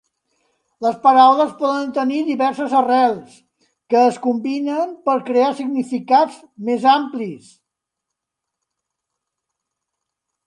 Les paraules poden tenir diverses arrels, que es combinen per crear significats més amplis.